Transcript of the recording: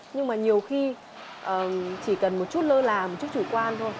nhưng mà nhiều khi chỉ cần một chút lơ là một chút chủ quan thôi